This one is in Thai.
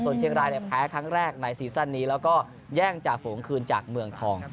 ส่วนเชียงรายเนี่ยแพ้ครั้งแรกในซีซั่นนี้แล้วก็แย่งจ่าฝูงคืนจากเมืองทอง